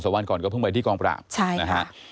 ๒๓วันก่อนก็เพิ่งไปที่กองประใช่ค่ะ